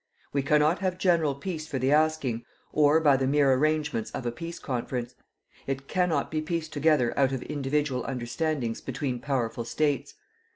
We cannot have general peace for the asking, or by the mere arrangements of a peace conference. It cannot be pieced together out of individual understandings between powerful states.